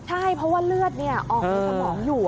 ใช่เพราะว่าเลือดออกในสมองอยู่